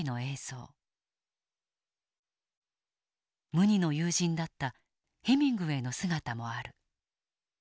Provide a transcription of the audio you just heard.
無二の友人だったヘミングウェイの姿もある。